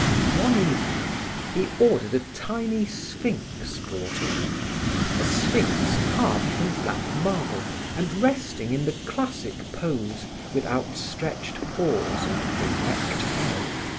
One evening he ordered a tiny sphinx brought in a sphinx carved from black marble and resting in the classic pose with outstretched paws and erect head.